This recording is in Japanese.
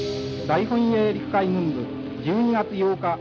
大本営陸海軍部１２月８日。